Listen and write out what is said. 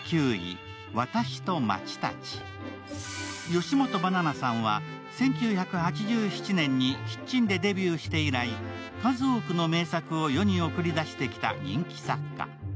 吉本ばななさんは１９８７年に「キッチン」でデビューして以来数多くの名作を世に送り出してきた人気作家。